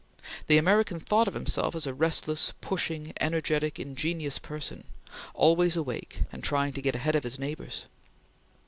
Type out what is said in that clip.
The American thought of himself as a restless, pushing, energetic, ingenious person, always awake and trying to get ahead of his neighbors.